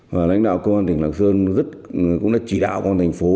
và lãnh đạo công an tỉnh lạc sơn cũng đã chỉ đạo công an thành phố